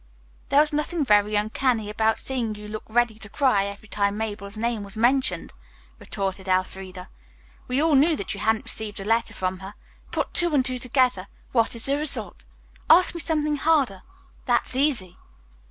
"There was nothing very uncanny about seeing you look ready to cry every time Mabel's name was mentioned," retorted Elfreda. "We all knew that you hadn't received a letter from her. Put two and two together, what is the result? Ask me something harder. That's easy."